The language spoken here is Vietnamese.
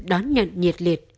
đón nhận nhiệt liệt